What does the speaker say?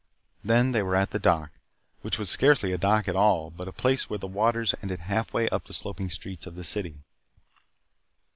Then they were at the dock, which was scarcely a dock at all but a place where the waters ended halfway up the sloping streets of the city.